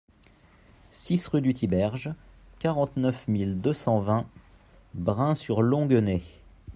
six rue du Thiberge, quarante-neuf mille deux cent vingt Brain-sur-Longuenée